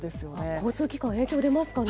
交通機関影響出ますかね？